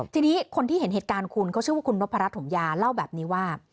ทีนี้คนที่เห็นเหตุการณ์คุณเขาชื่อว่าคุณนพรัชถมยาเล่าแบบนี้ว่า